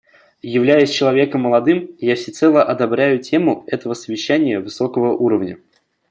Являясь человеком молодым, я всецело одобряю тему этого совещания высокого уровня.